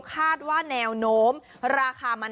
กกกกกกกก